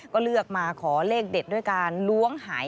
ก็เลือกมาขอเลขเด็ดด้วยการล้วงหาย